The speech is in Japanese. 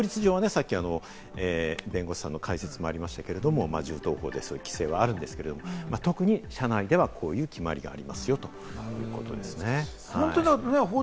さっき弁護士さんの解説もありましたが、銃刀法などの規制はあるんですが、特に車内ではこういう決まりがありますよということですね。